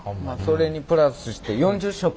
それにプラスして４０色。